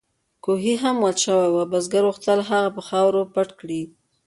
کوهی هم وچ شوی و او بزګر غوښتل هغه په خاورو پټ کړي.